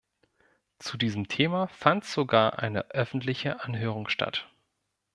Zu diesem Thema fand sogar eine öffentliche Anhörung statt.